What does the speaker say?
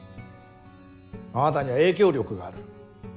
あなたには影響力がある。